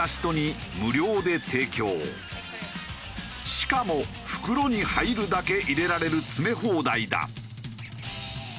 しかも袋に入るだけ入れられる詰め放題だ。